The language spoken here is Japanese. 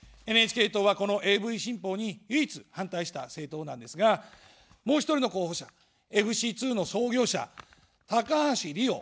ＮＨＫ党は、このＡＶ新法に唯一反対した政党なんですが、もう１人の候補者、ＦＣ２の創業者・高橋理洋。